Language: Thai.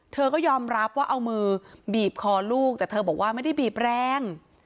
เธอก็ยอมรับว่าเอามือบีบคอลูกแต่เธอบอกว่าไม่ได้บีบแรง